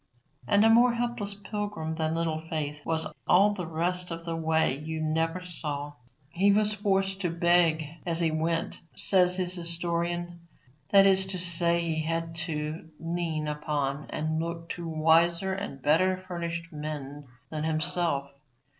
And a more helpless pilgrim than Little Faith was all the rest of the way you never saw. He was forced to beg as he went, says his historian. That is to say, he had to lean upon and look to wiser and better furnished men than himself.